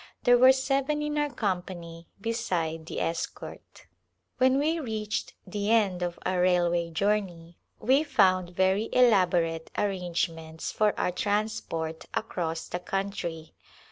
There were seven in our company beside the escort. When we reached the end of our railway journey we found yen,' elaborate arrangements for our trans port across the countr}